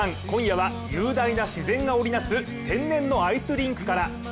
今夜は雄大な自然が織り成す天然のアイスリンクから。